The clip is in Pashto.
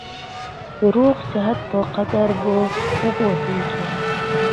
د روغ صحت په قدر به وپوهېږې !